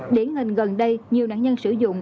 điển hình gần đây nhiều nạn nhân sử dụng